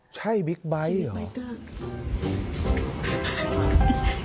ใช่บิ๊กไบต์เหรอบิ๊กไบต์เตอร์